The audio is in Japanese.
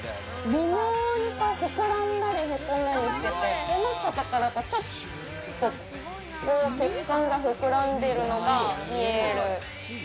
微妙に膨らんだり、へこんだりしてて、ちょっと血管が膨らんでるのが見える。